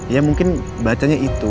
ya mungkin bacanya itu